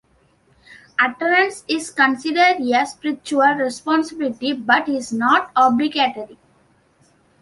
Attendance is considered a spiritual responsibility, but is not obligatory.